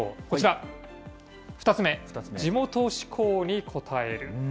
こちら、２つ目、地元志向に応える。